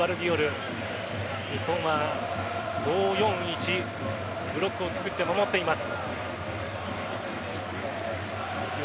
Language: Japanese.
日本は５−４−１ブロックを作って守っています。